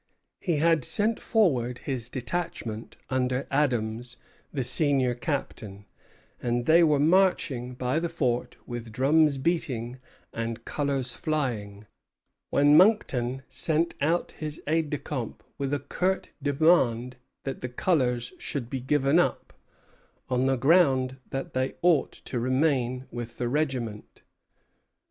He had sent forward his detachment under Adams, the senior captain, and they were marching by the fort with drums beating and colors flying, when Monckton sent out his aide de camp with a curt demand that the colors should be given up, on the ground that they ought to remain with the regiment.